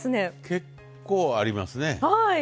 結構ありますね。